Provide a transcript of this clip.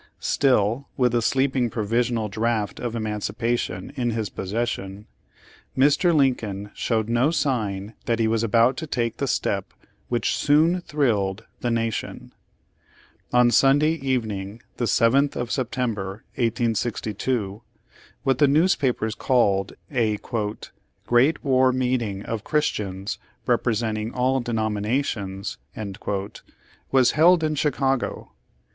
Still, with the sleeping provisional draft of emancipation, in his posses sion, Mr. Lincoln showed no sign that he was about to take the step which soon thrilled the Nation. On Sunday evening, the 7th of September, 1862, what the newspapers called a "great war meeting of Christians, representing all denominations," was held in Chicago.